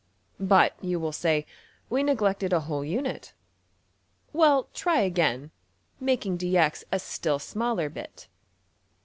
But, you will say, we neglected a whole unit. Well, try again, making $dx$ a still smaller bit.